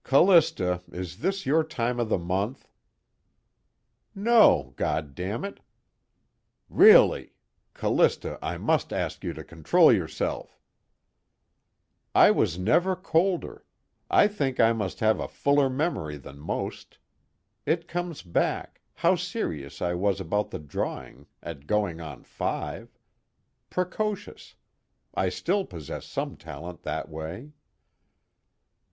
"Callista, is this your time of the month?" "No, God damn it." "Really! Callista, I must ask you to control yourself." "I was never colder. I think I must have a fuller memory than most. It comes back, how serious I was about the drawing, at going on five. Precocious. I still possess some talent that way."